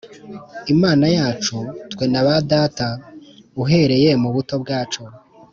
Imana yacu twe na ba data uhereye mu buto bwacu